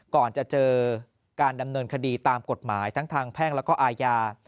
ก่อนจะเจอการดำเนินคดีตามกฎหมายทั้งทางแพ่งแล้วก็อาญา